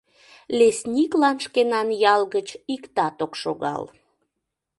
Лесниклан шкенан ял гыч иктат ок шогал.